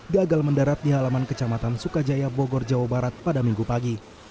gagal mendarat di halaman kecamatan sukajaya bogor jawa barat pada minggu pagi